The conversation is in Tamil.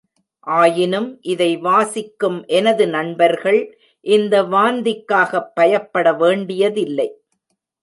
ஆயினும் இதை வாசிக்கும் எனது நண்பர்கள், இந்த வாந்திக்காகப் பயப்பட வேண்டியதில்லை.